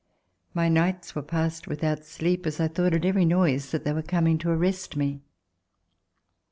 My nights were passed without sleep, as I thought at every noise that they were coming to arrest me.